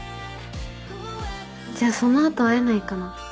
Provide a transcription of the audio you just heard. じゃあその後会えないかな？